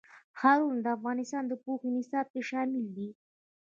ښارونه د افغانستان د پوهنې نصاب کې شامل دي.